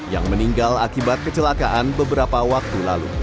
yang meninggal akibat kecelakaan beberapa waktu lalu